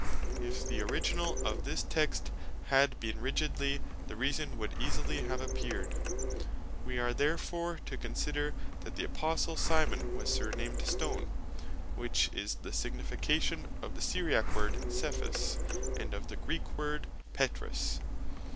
If the originall of this text had been rigidly translated, the reason would easily have appeared: We are therefore to consider, that the Apostle Simon, was surnamed Stone, (which is the signification of the Syriacke word Cephas, and of the Greek word Petrus).